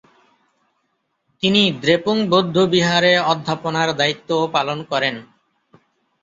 তিনি দ্রেপুং বৌদ্ধবিহারে অধ্যাপনার দায়িত্বও পালন করেন।